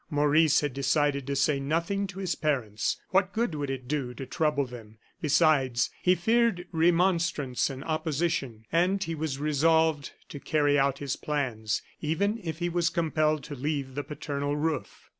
Maurice had decided to say nothing to his parents. What good would it do to trouble them? Besides, he feared remonstrance and opposition, and he was resolved to carry out his plans, even if he was compelled to leave the paternal roof.